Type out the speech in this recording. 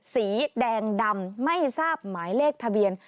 สีแดงดำไม่ทราบหมายเลขทะเบียน